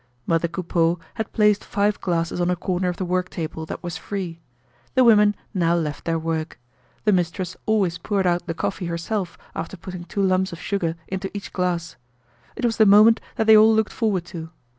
Mother Coupeau had placed five glasses on a corner of the work table that was free. The women now left their work. The mistress always poured out the coffee herself after putting two lumps of sugar into each glass. It was the moment that they all looked forward to.